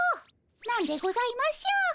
何でございましょう？